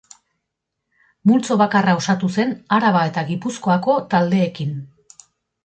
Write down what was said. Multzo bakarra osatu zen Araba eta Gipuzkoako taldeekin.